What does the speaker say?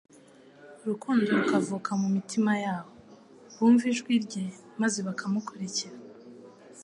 Urukundo rukavuka mu mitima yabo. Bumva ijwi rye maze bakamukurikira.